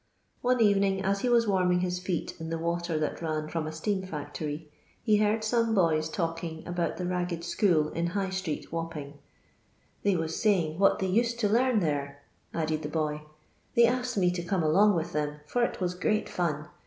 One evening, as he wii* warming his feet in the water that ran from a Bteaui factory, he heard some boys talking about the Ragged School in II igh street, Wapping. "They was saying what they used to learn there," added the boy. " They asked me to come along with them for it was great fun.